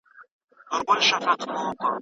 هغه شاګرد چي کار نه کوي وروسته پاته کېږي.